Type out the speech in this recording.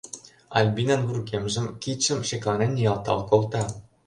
Альбинан вургемжым, кидшым шекланен ниялтал колта.